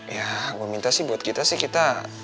ya gue minta sih buat kita sih kita